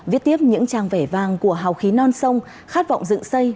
viết tiếp những trang vẻ vang của hào khí non sông khát vọng dựng xây